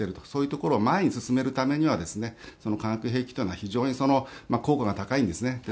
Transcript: そういうところを前に進めるためには化学兵器というのは非常に効果が高いんですね。